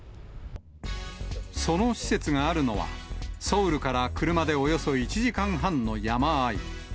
その施設があるのは、ソウルから車でおよそ１時間半の山あい。